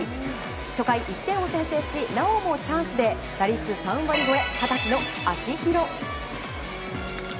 初回、１点を先制しなおもチャンスで打率３割超え、二十歳の秋広。